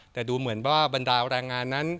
แต่ดูเหมือนว่าบรรดาแรงงานนั้น